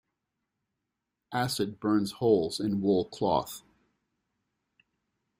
Acid burns holes in wool cloth.